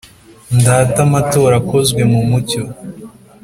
ndate amatora akozwe mu mucyo,